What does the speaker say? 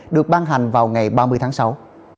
được ban hành vào ngày hôm nay